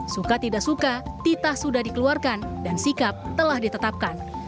suka tidak suka titah sudah dikeluarkan dan sikap telah ditetapkan